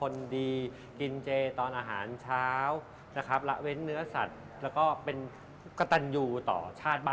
มีประจำที่สำคัญมาก